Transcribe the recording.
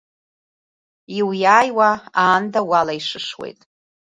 Иуиааиуа, аанда уалаишшуеит.